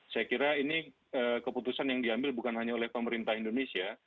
saya kira ini keputusan yang diambil bukan hanya oleh pemerintah indonesia